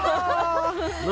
何？